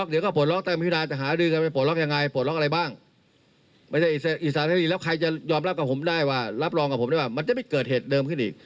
ส่วนความชัดเจนในการเรียกตัวแทนแต่ละพักการพูดคุยนั้น